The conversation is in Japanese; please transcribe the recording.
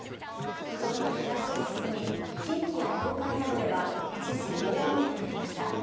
その後、東へ進み、近畿や東海などでは一時、大雨となりました。